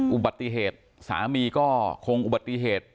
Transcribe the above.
อุบัติเหตุสามีก็คงอุบัติเหตุ